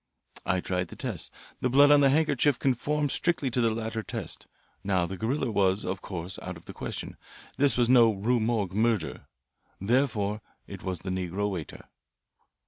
"I tried the tests. The blood on the handkerchief conformed strictly to the latter test. Now the gorilla was, of course, out of the question this was no Rue Morgue murder. Therefore it was the negro waiter."